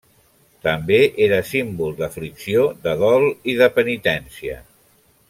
També era símbol d'aflicció, de dol i de penitència.